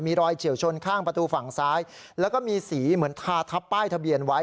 มีรอยเฉียวชนข้างประตูฝั่งซ้ายแล้วก็มีสีเหมือนทาทับป้ายทะเบียนไว้